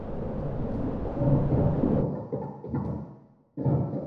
غور د افغانستان یو مرکزي او لرغونی ولایت ګڼل کیږي